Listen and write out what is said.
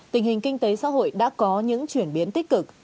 tình hình kinh tế xã hội đã có những chuyển biến tích cực